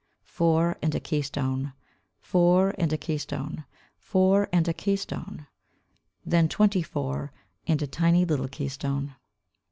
Four, and a keystone; Four, and a keystone; Four, and a keystone; Then twenty four, and a tiny little keystone.